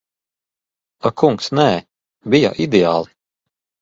Ak kungs, nē. Bija ideāli.